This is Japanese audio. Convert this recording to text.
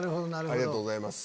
ありがとうございます。